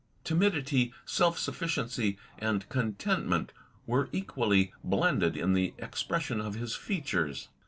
Timidity, self sufficiency, and contentment were equally blended in the expression of his features.